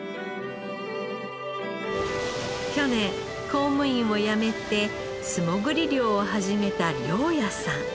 去年公務員を辞めて素潜り漁を始めた陵矢さん。